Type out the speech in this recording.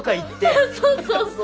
ああそうそうそう。